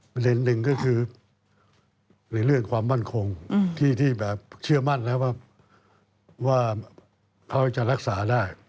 หนึ่งก็คือในเรื่องความมั่นคงที่แบบเชื่อมั่นแล้วว่าเขาจะรักษาได้